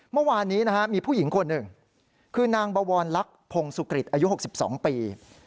เมื่อวานนี้นะฮะมีผู้หญิงคนหนึ่งคือนางบวรลักษณ์พงศุกริตอายุ๖๒ปี